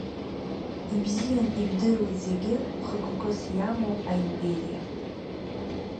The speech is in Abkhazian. Ибзиан ижәдыруеит зегьы хықәкыс иамоу аимпериа.